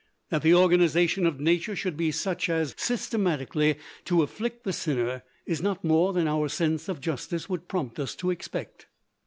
That the organization of Nature should be such as systematically to afflict the sinner, is not more than our sense of justice would prompt us to expect.